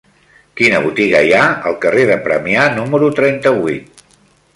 Quina botiga hi ha al carrer de Premià número trenta-vuit?